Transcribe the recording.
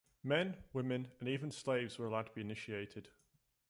Men, women and even slaves were allowed to be initiated.